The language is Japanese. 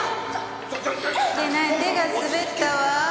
いけない手が滑ったわ。